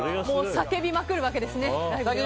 叫びまくるわけですね